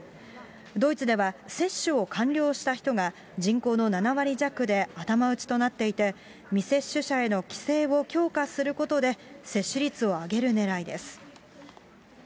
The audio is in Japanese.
ドイツでは、接種を完了した人が人口の７割弱で頭打ちとなっていて、未接種者への規制を強化することで、接種率を上げるねらいです。